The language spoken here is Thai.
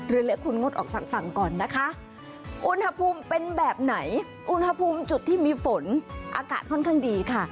เรือเล็กคุณงดออกจากฝั่งก่อนนะคะอุณหภูมิเป็นแบบไหนอุณหภูมิจุดที่มีฝนอากาศค่อนข้างดีค่ะ